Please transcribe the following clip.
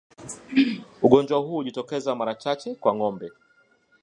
Ugonjwa huu hujitokeza mara chache kwa ngombe